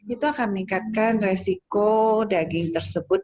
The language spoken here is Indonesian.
itu akan meningkatkan resiko daging tersebut